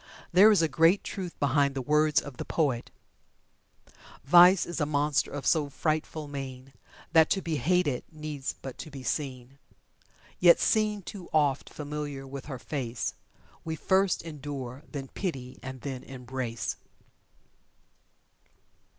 There is a great truth behind the words of the poet: "Vice is a monster of so frightful mien, That to be hated needs but to be seen. Yet seen too oft, familiar with her face, We first endure, then pity, and then embrace."